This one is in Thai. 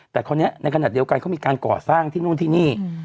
แต่คราวนี้ในขณะเดียวกันเขามีการก่อสร้างที่นู่นที่นี่